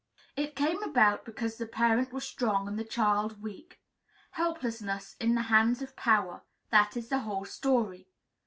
It came about because the parent was strong and the child weak. Helplessness in the hands of power, that is the whole story.